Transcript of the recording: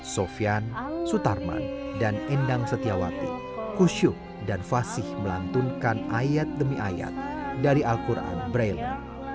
sofian sutarman dan endang setiawati kusyuk dan fasih melantunkan ayat demi ayat dari al quran braille